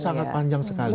itu sangat panjang sekali